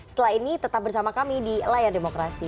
setelah ini tetap bersama kami di layar demokrasi